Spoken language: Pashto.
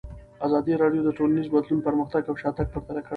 ازادي راډیو د ټولنیز بدلون پرمختګ او شاتګ پرتله کړی.